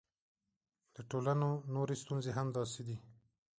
د ټولنو نورې ستونزې هم همداسې دي.